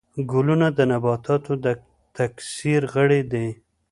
ګلونه د نباتاتو د تکثیر غړي دي